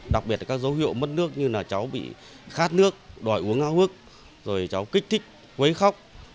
đặc biệt là các dấu hiệu mất nước như cháu bị khát nước đòi uống hao hước cháu kích thích quấy khóc